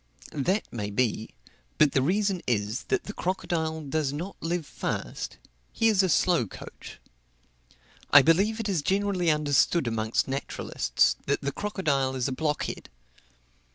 That may be; but the reason is, that the crocodile does not live fast he is a slow coach. I believe it is generally understood amongst naturalists, that the crocodile is a blockhead.